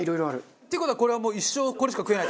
っていう事はこれはもう一生これしか食えない？